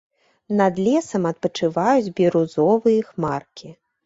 Над лесам адпачываюць бірузовыя хмаркі.